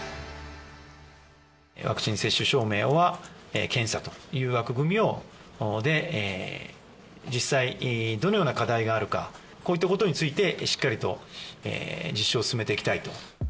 ワクチン接種証明は、検査という枠組みで実際どのような課題があるか、こういったことについてしっかりと実証を進めていきたいと。